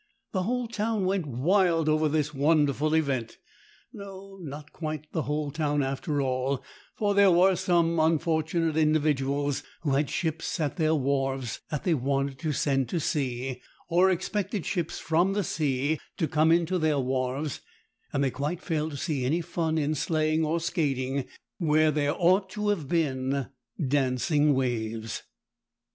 The whole town went wild over this wonderful event. No—not quite the whole town, after all, for there were some unfortunate individuals who had ships at their wharves that they wanted to send to sea, or expected ships from the sea to come in to their wharves, and they quite failed to see any fun in sleighing or skating where there ought to have been dancing waves.